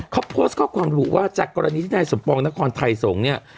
เขาโพสต์ข้อความรู้ว่าจากกรณีที่นายสมปองนครไทยสงฆ์เนี่ย